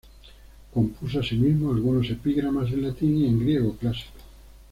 Compuso asimismo algunos epigramas en latín y en griego clásico.